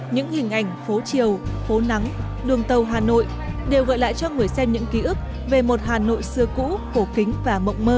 những hình ảnh phố triều phố nắng đường tàu hà nội đều gợi lại cho người xem những ký ức về một hà nội xưa cũ cổ kính và mộng mơ